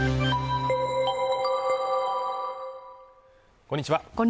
こんにちは。